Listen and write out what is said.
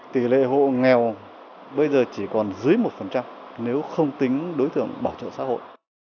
tỷ lệ hộ nghèo bây giờ chỉ còn dưới một nếu không tính đối tượng bảo trợ xã hội